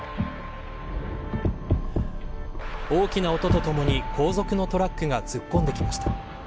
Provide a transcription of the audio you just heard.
大きな音とともに後続のトラックが突っ込んできました。